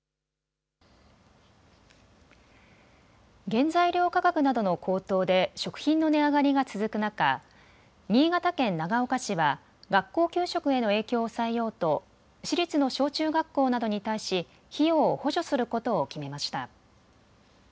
原材料価格などの高騰で食品の値上がりが続く中、新潟県長岡市は学校給食への影響を抑えようと市立の小中学校などに対し費用を補助することを決めました。